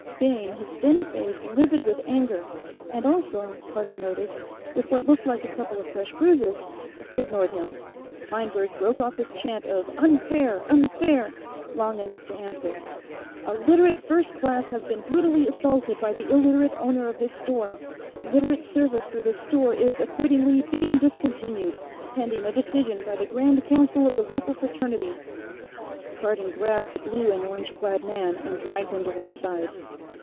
Bayne, his thin face livid with anger and also, Cardon noticed, with what looked like a couple of fresh bruises ignored him. Feinberg broke off his chant of "Unfair! Unfair!" long enough to answer: "A Literate First Class has been brutally assaulted by the Illiterate owner of this store. Literate service for this store is, accordingly, being discontinued, pending a decision by the Grand Council of the local Fraternity." Cardon grabbed the blue and orange clad man and dragged him to one side.